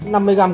nguồn liệu gồm